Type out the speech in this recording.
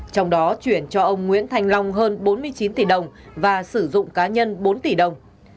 trong đó chuyển cho ông nguyễn thành long hơn bốn mươi chín tỷ đồng và sử dụng cá nhân bốn tỷ đồng